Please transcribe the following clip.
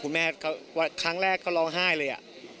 คุณแม่ครั้งแรกก็ร้องไห้เลย